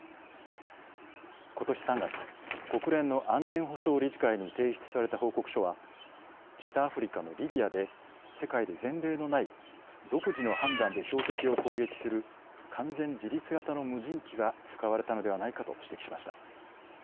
ことし３月国連の安全保障理事会に提出された報告書は北アフリカのリビアで世界で前例のない独自の判断で標的を攻撃する完全自律型の無人機が使われたのではないかと指摘しました。